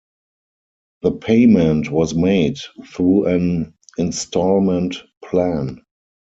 The payment was made through an installment plan.